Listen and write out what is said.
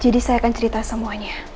jadi saya akan cerita semuanya